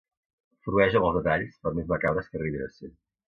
Frueix amb els detalls, per més macabres que arribin a ser.